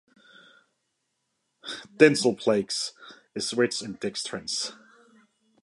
Dental plaque is rich in dextrans.